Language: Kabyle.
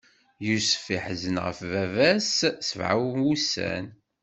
Yusef iḥzen ɣef baba-s sebɛa n wussan.